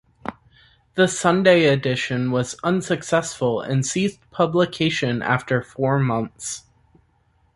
The Sunday edition was unsuccessful and ceased publication after four months.